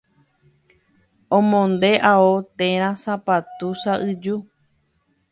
Omonde ao térã sapatu sa'yju